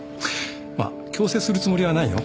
まあ強制するつもりはないよ。